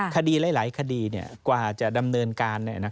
คดีหลายคดีกว่าจะดำเนินการ